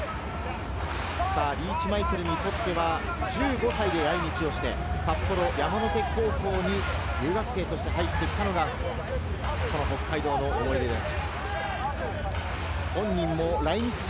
リーチ・マイケルにとっては１５歳で来日をして、札幌山の手高校に留学生として入ってきたのが北海道の思い出です。